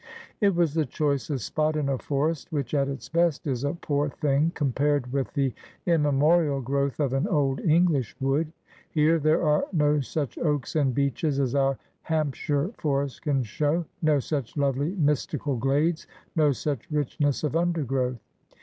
It was the choicest spot in a forest which, at its best, is a poor thing compared with the immemorial growth of an old English wood. Here there are no such oaks and beeches as our Hamp shire forest can show — no such lovely mystical glades — no such richness of undergrowth.